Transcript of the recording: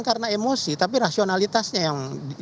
karena emosi tapi rasionalitasnya yang dia bawa gitu